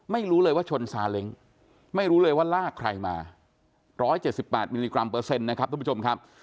ไม่รู้เลยว่าชนซาเล้งไม่รู้เลยว่าลากใครมา๑๗๘มิลลิกรัมเปอร์เซ็นต์นะครับทุกผู้ชมครับ